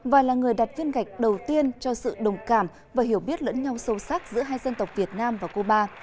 và là người đặt viên gạch đầu tiên cho sự đồng cảm và hiểu biết lẫn nhau sâu sắc giữa hai dân tộc việt nam và cuba